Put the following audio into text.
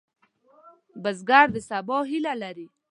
بزګر د سبا هیله لري